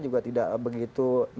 juga tidak begitu